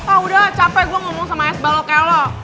ah udah cape gua ngomong sama es baloknya lo